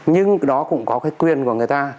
nhưng đó cũng có cái quyền của người ta